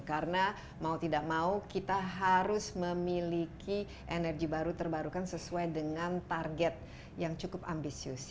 karena mau tidak mau kita harus memiliki energi baru terbarukan sesuai dengan target yang cukup ambisius